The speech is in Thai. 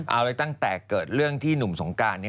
เอาเลยตั้งแต่เกิดเรื่องที่หนุ่มสงการ